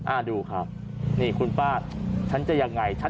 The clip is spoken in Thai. อ้าวดูครับที่คุณป้า